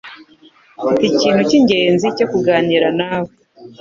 Mfite ikintu cyingenzi cyo kuganira nawe.